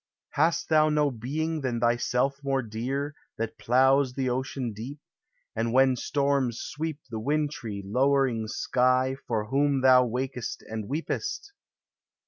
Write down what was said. Hast thou no being than thyself more dear, That ploughs the ocean deep, And when storms sweep The wintry, lowering sky, For whom thou wak'st and weepest?